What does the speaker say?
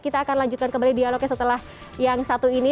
kita akan lanjutkan kembali dialognya setelah yang satu ini